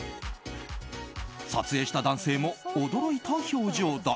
撮影した男性も驚いた表情だ。